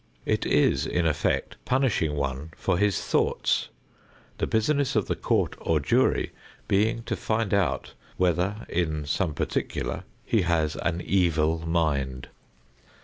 It is in effect punishing one for his thoughts; the business of the court or jury being to find out whether in some particular he has an evil mind.